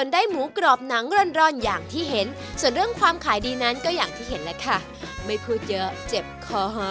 ได้หมูกรอบหนังร่อนอย่างที่เห็นส่วนเรื่องความขายดีนั้นก็อย่างที่เห็นแล้วค่ะไม่พูดเยอะเจ็บคอหอ